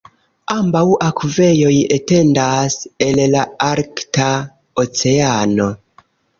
Ambaŭ akvejoj etendas el la Arkta Oceano.